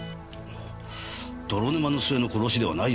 泥沼の末の殺しではないようですね。